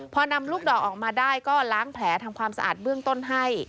พอนำลูกดอกออกมาได้ก็ล้างแผลทำความสะอาดเบื้องต้นให้